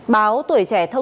giúp đỡ gia đình bây hiện